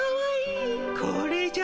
これじゃ。